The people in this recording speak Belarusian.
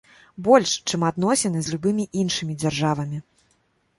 Больш, чым адносіны з любымі іншымі дзяржавамі.